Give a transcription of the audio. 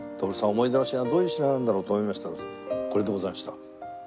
思い出の品どういう品なんだろうと思いましたらこれでございました。